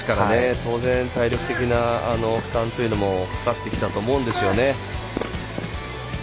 当然、体力的な負担というのもかかってきたと思うんですよね。